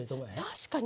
確かに。